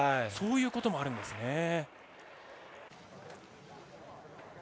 そういうことあるんですね。